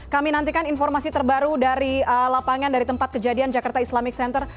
kami nantikan informasi terbaru dari lapangan dari tempat kejadian jakarta islamic center